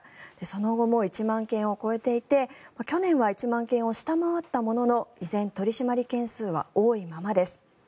その後も１万件を超えていて去年は１万件を下回ったものの依然、取り締まり件数は多いままです。